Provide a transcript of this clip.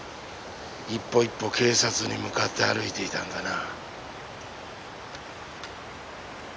一歩一歩警察に向かって歩いていたんだな。